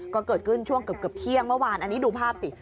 ก็เกิดขึ้นช่วงเกือบเที่ยงเมื่อวานอันนี้ดูภาพสิ